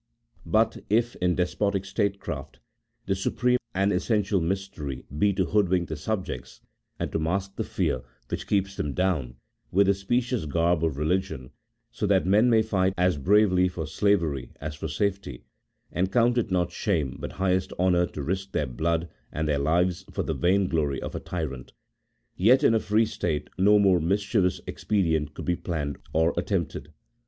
But if, in despotic statecraft, the supreme and essential mystery be to hoodwink the subjects, and to mask the fear, which keeps them down, with the specious garb of religion, so that men may fight as bravely for slavery as for safety, and count it not shame but highest honour to risk their blood and their lives for the vainglory of a tyrant ; yet in a free state no more mischievous expedient could be planned or attempted.